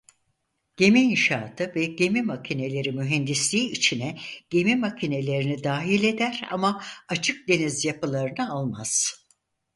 Gemi İnşaatı ve Gemi Makineleri Mühendisliği içine gemi makinelerini dahil eder ama açık deniz yapılarını almaz.